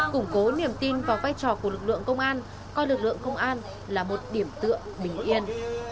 củng cố niềm tin và vai trò của lực lượng công an coi lực lượng công an là một điểm tựa bình yên